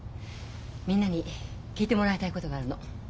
みんなに聞いてもらいたいことがあるの。